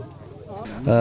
đó là dấu vết của đinh cương